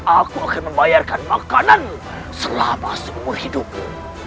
aku akan membayarkan makanan selama seumur hidupku